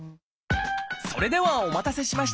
それではお待たせしました！